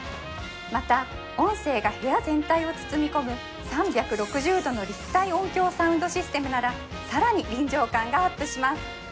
また音声が部屋全体を包み込む３６０度の立体音響サウンドシステムなら更に臨場感がアップします